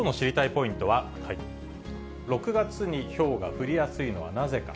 ポイントは、６月にひょうが降りやすいのはなぜか。